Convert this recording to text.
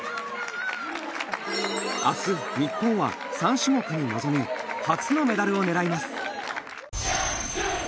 明日、日本は３種目に臨み初のメダルを狙います。